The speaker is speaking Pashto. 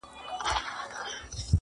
چپ سه چـــپ ســــه نور مــه ژاړه.